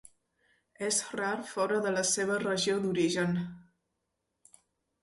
És rar fora de la seva regió d'origen.